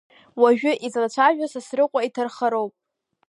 Уажәы излацәажәо Сасрыҟәа иҭархароуп.